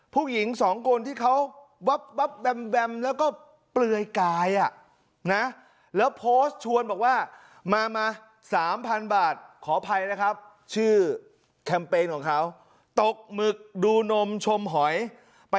ผู้หญิงสองคนที่เขา